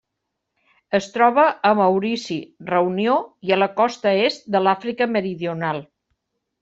Es troba a Maurici, Reunió i a la costa est de l'Àfrica meridional.